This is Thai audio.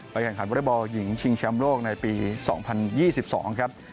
ไปแข่งขันวดบหญิงชิงแชมป์โลกในปี๒๐๒๒ครับ